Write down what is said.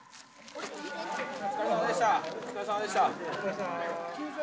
お疲れさまでした。